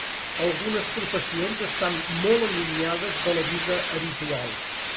Algunes professions estan molt allunyades de la vida habitual.